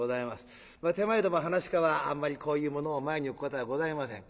手前ども噺家はあんまりこういうものを前に置くことがございません。